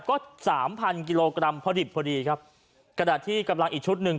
ก็สามพันกิโลกรัมพอดิบพอดีครับกระดาษที่กำลังอีกชุดหนึ่ง